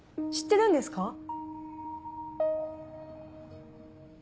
知ってるんですか？